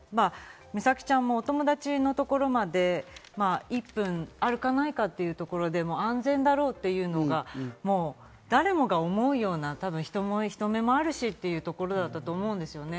美咲ちゃんもお友達のところまで１分あるかないかっていうところで、安全だろうというのが誰もが思うような、人目もあるしってところだったと思うんですよね。